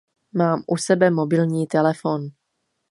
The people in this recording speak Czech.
Mám u sebe mobilní telefon.